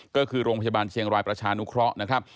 ก็คือโรงพยาบาลเชียงรายประชานุเคราะห์นะครับ